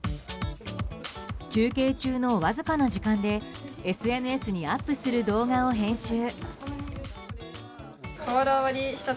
休憩中の、わずかな時間でＳＮＳにアップする動画を編集。